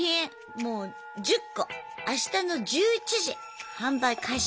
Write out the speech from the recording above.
もう１０個あしたの１１時販売開始。